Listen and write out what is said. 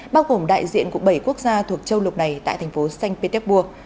bao gồm đại diện của bảy quốc gia thuộc châu lục này tại thành phố sanh petersburg